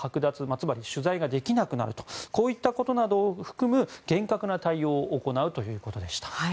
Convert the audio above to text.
つまり取材ができなくなるといったことを含む厳格な対応を行うということでした。